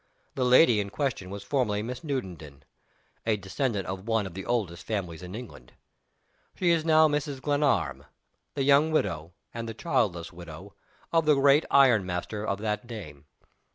The lady in question was formerly Miss Newenden a descendant of one of the oldest families in England. She is now Mrs. Glenarm the young widow (and the childless widow) of the great iron master of that name.